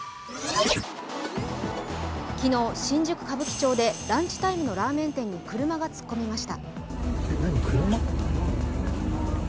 昨日、新宿・歌舞伎町でランチタイムのラーメン店に車が突っ込みました。